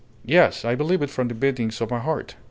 Yes, I believe it from the beatings of my heart.